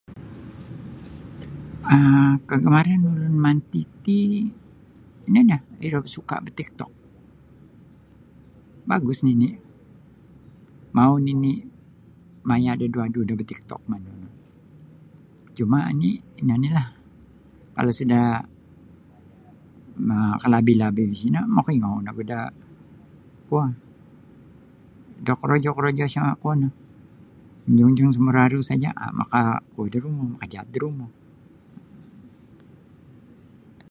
um Kagamaran ulun manti ti ino nio iro suka ba Tik Tok bagus nini mau nini maya da duadu do ba Tik Tok manu cuma oni ino ni' lah kalau sudah makalabi-labi bosino makaingau ogu da kuo da korojo-korojo isa kuo no hujung-hunjung samaruaru saja maka kuo da rumo makajaat da rumo.